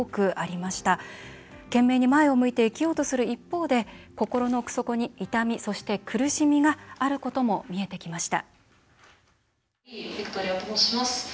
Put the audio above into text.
懸命に前を向いて生きようとする一方で心の奥底に痛みそして苦しみがあることも見えてきました。